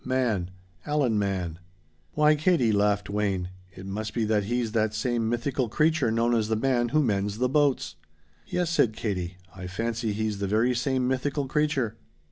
"Mann. Alan Mann." "Why, Katie," laughed Wayne, "it must be that he's that same mythical creature known as the man who mends the boats." "Yes," said Katie, "I fancy he's the very same mythical creature."